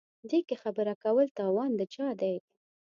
دې کې خبره کول توان د چا دی.